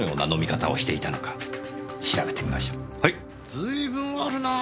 随分あるなぁ